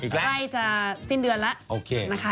ใครจะสิ้นเดือนแล้ว